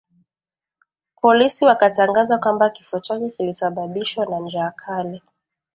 Polisi wakatangaza kwamba kifo chake kilisababishwa na njaa kali